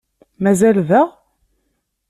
Mazal daɣ?